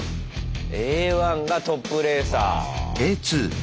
Ａ１がトップレーサー。